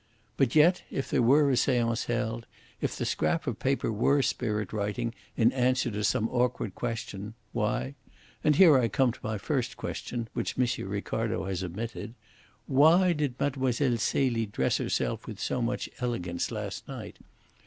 But yet, if there were a seance held, if the scrap of paper were spirit writing in answer to some awkward question, why and here I come to my first question, which M. Ricardo has omitted why did Mlle. Celie dress herself with so much elegance last night?